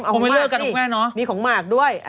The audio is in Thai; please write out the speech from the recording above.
ผมไม่เลือกกันของแม่เนอะ